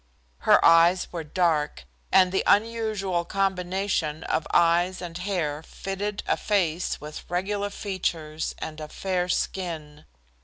Her eyes were dark, and the unusual combination of eyes and hair fitted a face with regular features and a fair skin.